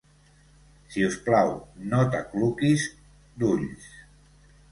Si us plau, no t’acluquis d’ulls.